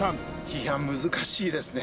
いや難しいですね